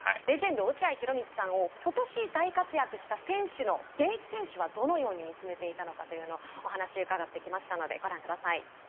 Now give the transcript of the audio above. レジェンド落合博満さんを今年大活躍した選手の現役選手はどのように見つめていたのかというのをお話伺ってきましたのでご覧下さい。